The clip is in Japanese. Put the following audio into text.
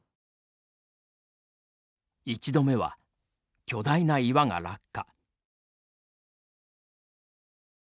１度目は、巨大な岩が落下。